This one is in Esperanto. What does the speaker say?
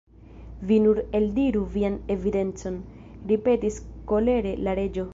"Vi nur eldiru vian evidencon," ripetis kolere la Reĝo.